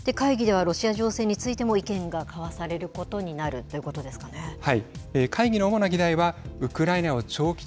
ずいぶんと近いですよね会議ではロシア情勢についても意見が交わされることになるということですかね。